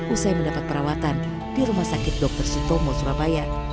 usai mendapat perawatan di rumah sakit dr sutomo surabaya